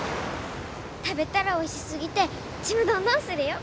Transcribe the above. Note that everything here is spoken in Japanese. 食べたらおいしすぎてちむどんどんするよ！